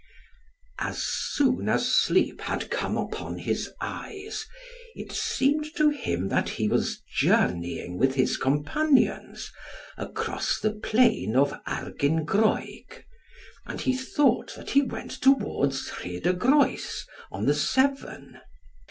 As soon as sleep had come upon his eyes, it seemed to him that he was journeying with his companions across the plain of Argyngroeg, and he thought that he went towards Rhyd y Groes on the Severn.